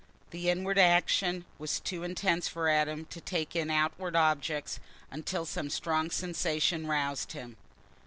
The inward action was too intense for Adam to take in outward objects until some strong sensation roused him.